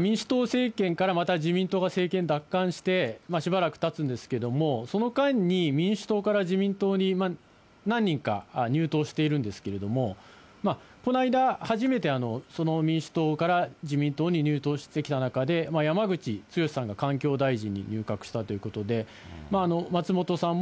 民主党政権からまた自民党が政権奪還してしばらくたつんですけれども、その間に民主党から自民党に何人か入党しているんですけれども、この間、初めてその民主党から自民党に入党してきた中で、やまぐちつよしさんが環境大臣に入閣したということで、松本さん